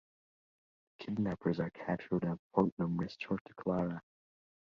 The kidnappers are captured and Fortnum restored to Clara.